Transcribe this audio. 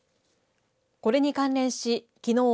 これに関連しきのう